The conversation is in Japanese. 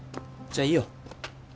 じゃあいいよ。